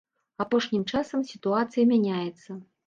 Апошнім часам сітуацыя мяняецца.